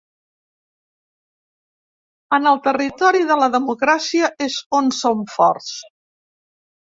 En el territori de la democràcia és on som forts.